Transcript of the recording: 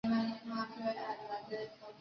闭花木为大戟科闭花木属下的一个种。